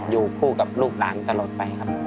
อยู่คู่กับลูกหลานตลอดไปครับ